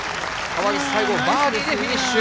川岸、最後バーディーでフィニッシュ。